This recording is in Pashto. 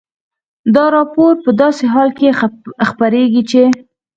دا راپور په داسې حال کې خپرېږي چې